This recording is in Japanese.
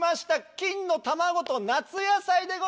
金のたまごと夏野菜でございます！